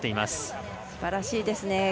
すばらしいですね。